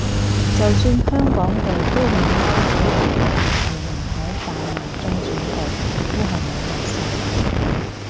就算香港地都不嬲畀人話係人口販賣中轉地，都係冇人信